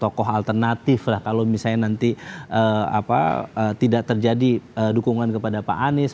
tokoh alternatif lah kalau misalnya nanti tidak terjadi dukungan kepada pak anies